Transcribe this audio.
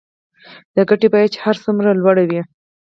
د ګټې بیه چې هر څومره لوړه وي